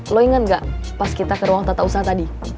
lo ingat nggak pas kita ke ruang tata usaha tadi